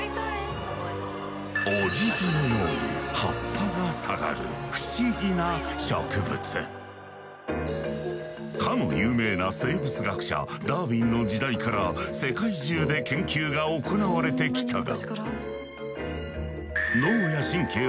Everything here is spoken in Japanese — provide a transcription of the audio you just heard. おじぎのように葉っぱが下がるかの有名な生物学者ダーウィンの時代から世界中で研究が行われてきたが。